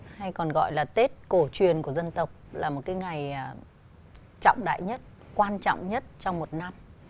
hay còn gọi là tết cổ truyền của dân tộc là một cái ngày trọng đại nhất quan trọng nhất trong một năm